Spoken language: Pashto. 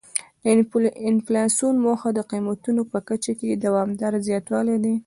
د انفلاسیون موخه د قیمتونو په کچه کې دوامداره زیاتوالی دی.